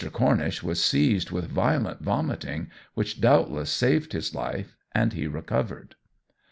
Cornish was seized with violent vomiting, which doubtless saved his life, and he recovered.